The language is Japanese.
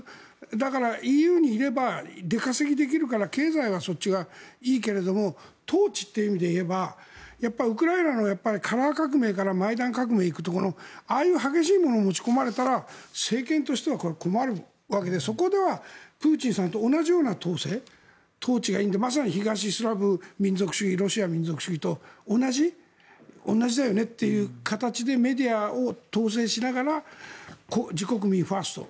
だから、ＥＵにいれば出稼ぎできるから経済はそっちがいいけども統治という意味で言えばウクライナのカラー革命からマイダン革命に行くところのああいう激しいものを持ち込まれたら政権としては困るわけでそこではプーチンさんと同じような統制、統治がいいのでまさに東スラブ民族主義ロシア民族主義と同じだよねという形でメディアを統制しながら自国民ファースト。